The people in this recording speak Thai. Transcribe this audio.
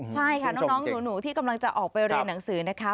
ใช่ค่ะน้องหนูที่กำลังจะออกไปเรียนหนังสือนะคะ